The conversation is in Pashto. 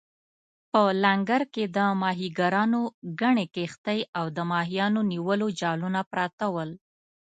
په لنګر کې د ماهیګیرانو ګڼې کښتۍ او د ماهیانو نیولو جالونه پراته ول.